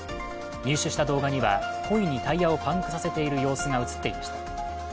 入手した動画には故意にタイヤをパンクさせている様子が映っていました。